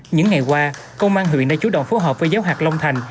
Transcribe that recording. những ngày qua công an huyện đã chủ động phối hợp với giáo hạt long thành